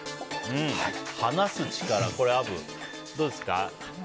話す力、これアブどうですか？